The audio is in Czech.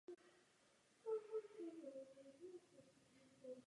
Ne vždy v minulosti tomu tak bylo.